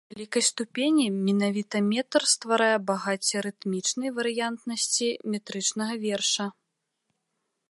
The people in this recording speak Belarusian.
У вялікай ступені менавіта метр стварае багацце рытмічнай варыянтнасці метрычнага верша.